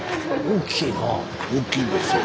大きいんですよ。